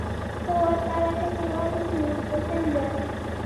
ته ورته لکه چې معلوم نه وې، که څنګه؟